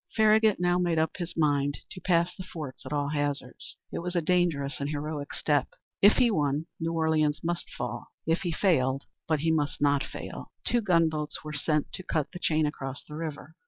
Farragut now made up his mind to pass the forts at all hazards. It was a dangerous and heroic step. If he won, New Orleans must fall; if he failed but he must not fail. Two gunboats were sent to cut the chain across the river.